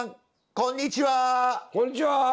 こんにちは！